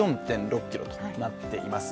１４．６ｋｍとなっています。